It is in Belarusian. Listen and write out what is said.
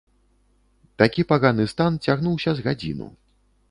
Такі паганы стан цягнуўся з гадзіну.